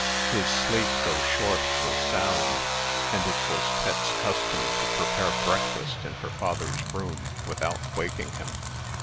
His sleep, though short, was sound; and it was Pet's custom to prepare breakfast in her father's room without waking him.